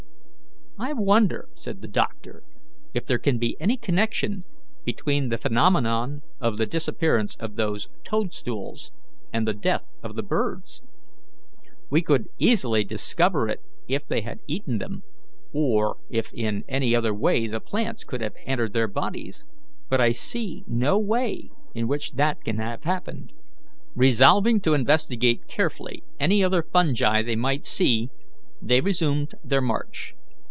"I wonder," said the doctor, "if there can be any connection between the phenomenon of the disappearance of those toadstools and the death of the birds? We could easily discover it if they had eaten them, or if in any other way the plants could have entered their bodies; but I see no way in which that can have happened." Resolving to investigate carefully any other fungi they might see, they resumed their march.